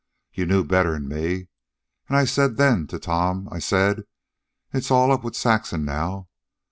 You knew better'n me. An' I said then, to Tom, I said, 'It's all up with Saxon now.'